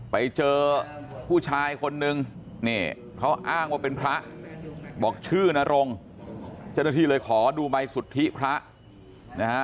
ไปเจอผู้ชายคนนึงนี่เขาอ้างว่าเป็นพระบอกชื่อนรงเจ้าหน้าที่เลยขอดูใบสุทธิพระนะฮะ